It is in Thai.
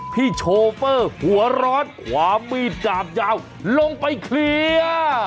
โชเฟอร์หัวร้อนความมีดดาบยาวลงไปเคลียร์